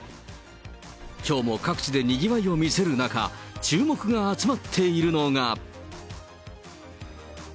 きょうも各地でにぎわいを見せる中、注目が集まっているのが。